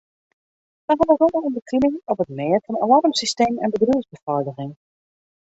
Wy hawwe romme ûnderfining op it mêd fan alarmsystemen en bedriuwsbefeiliging.